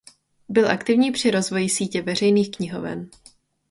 Byl aktivní při rozvoji sítě veřejných knihoven.